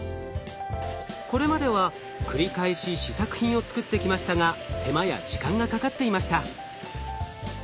これまでは繰り返し試作品を作ってきましたが手間や時間がかかっていました。